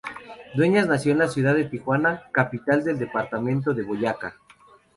Dueñas nació en la ciudad de Tunja, capital del departamento de Boyacá.